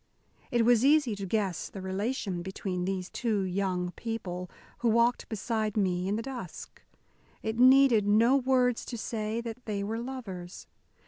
It was easy to guess the relation between these two young people who walked beside me in the dusk. It needed no words to say that they were lovers.